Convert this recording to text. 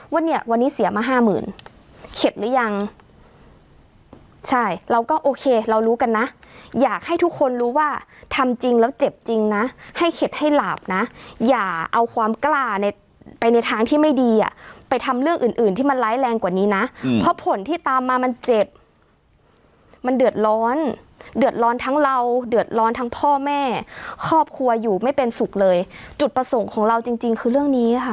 ว่าเนี่ยวันนี้เสียมาห้าหมื่นเข็ดหรือยังใช่เราก็โอเคเรารู้กันนะอยากให้ทุกคนรู้ว่าทำจริงแล้วเจ็บจริงนะให้เข็ดให้หลาบนะอย่าเอาความกล้าในไปในทางที่ไม่ดีอ่ะไปทำเรื่องอื่นอื่นที่มันร้ายแรงกว่านี้นะเพราะผลที่ตามมามันเจ็บมันเดือดร้อนเดือดร้อนทั้งเราเดือดร้อนทั้งพ่อแม่ครอบครัวอยู่ไม่เป็นสุขเลยจุดประสงค์ของเราจริงจริงคือเรื่องนี้ค่ะ